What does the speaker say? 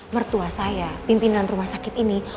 mertua saya pimpinan rumah sakit ini